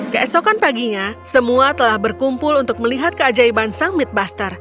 keesokan paginya semua telah berkumpul untuk melihat keajaiban sang midbuster